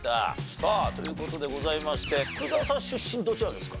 さあという事でございまして福澤さん出身どちらですか？